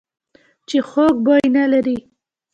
چې خوږ بوی نه لري .